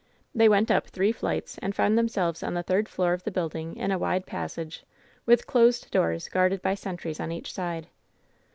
They went up three flights and found themselves on the third floor of the building, in a wide passage, with closed doors, guarded by sentries on each side.